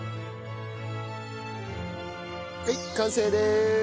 はい完成です！